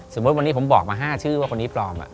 สมมุติวันนี้ผมบอกมา๕ชื่อว่าคนนี้ปลอม